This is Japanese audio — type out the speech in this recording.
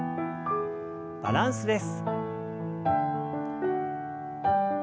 バランスです。